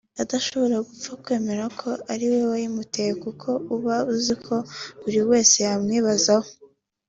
adashobora gupfa kwemera ko ari we wayimuteye kuko uba uzi ko buri wese yamwibazaho